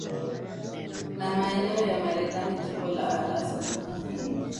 na maeneo ya Marekani jimbo la Alaska